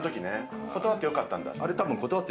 断ってよかったんだ。